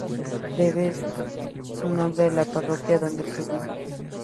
Debe su nombre a la parroquia donde se ubica.